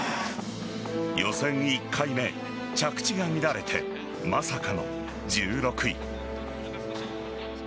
予選１回目、着地が乱れてまさかの１６位。